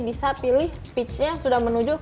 bisa pilih peachnya yang sudah mengembangkan